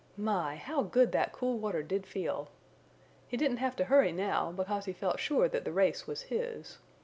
My! How good that cool water did feel! He didn't have to hurry now, because he felt sure that the race was his.